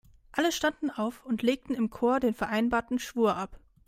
Alle standen auf und legten im Chor den vereinbarten Schwur ab.